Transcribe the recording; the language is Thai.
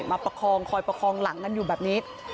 ประคองคอยประคองหลังกันอยู่แบบนี้